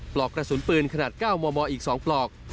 ปลอกกระสุนปืนขนาด๙มมอีก๒ปลอก